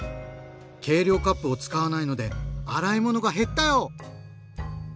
計量カップを使わないので洗い物が減ったよ！